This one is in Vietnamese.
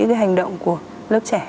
cái hành động của lớp trẻ